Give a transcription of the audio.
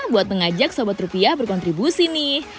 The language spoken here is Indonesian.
buat mengajak sobat rupiah berkontribusi nih